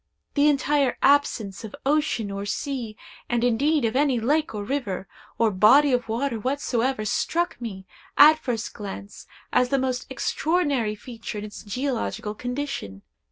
The entire absence of ocean or sea, and indeed of any lake or river, or body of water whatsoever, struck me, at first glance, as the most extraordinary feature in its geological condition.